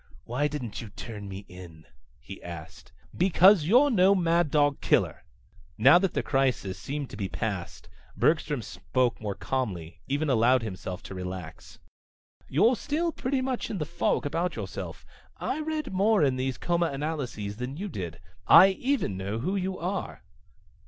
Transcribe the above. "Why didn't you turn me in?" he asked. "Because you're no mad dog killer!" Now that the crisis seemed to be past, Bergstrom spoke more calmly, even allowed himself to relax. "You're still pretty much in the fog about yourself. I read more in those comanalyses than you did. I even know who you are!"